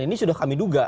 ini sudah kami duga